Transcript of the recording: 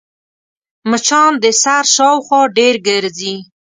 مچان د سر شاوخوا ډېر ګرځي